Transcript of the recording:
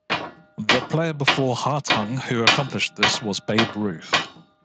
The player before Hartung who accomplished this was Babe Ruth.